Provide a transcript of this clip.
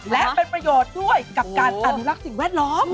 และเป็นประโยชน์ด้วยกับการอนุรักษ์สิ่งแวดล้อม